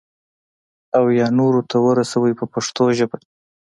او یا نورو ته ورسوي په پښتو ژبه.